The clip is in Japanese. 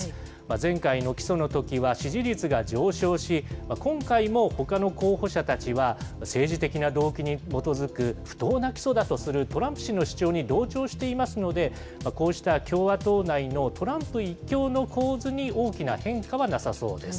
前回の起訴のときは、支持率が上昇し、今回もほかの候補者たちは、政治的な動機に基づく不当な起訴だとするトランプ氏の主張に同調していますので、こうした共和党内のトランプ１強の構図に大きな変化はなさそうです。